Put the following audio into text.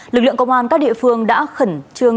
lực lượng công an các địa phương đã khẩn trương